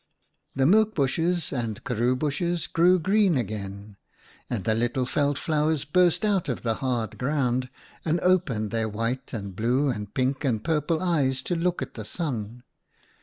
The milk bushes and karroo bushes grew green again, and the little veld flowers burst out of the hard ground, and opened their white, and blue, and pink, and purple eyes to look at the Sun.